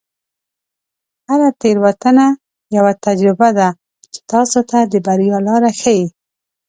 هره تیروتنه یوه تجربه ده چې تاسو ته د بریا لاره ښیي.